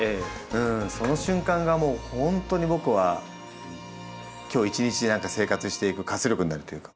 その瞬間がもう本当に僕は今日一日生活していく活力になるというか。